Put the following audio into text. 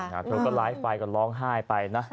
เธอก็ไลฟ์ไปก็ร้องไห้ไปนะ